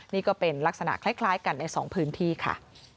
นี่ก็เป็นลักษณะคล้ายกันในสองพื้นที่ค่ะ